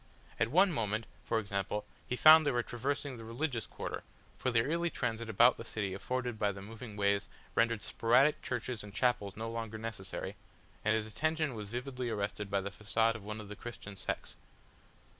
At one moment, for example, he found they were traversing the religious quarter, for the easy transit about the city afforded by the moving ways rendered sporadic churches and chapels no longer necessary and his attention was vividly arrested by the façade of one of the Christian sects.